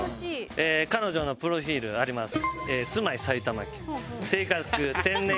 彼女のプロフィールあります。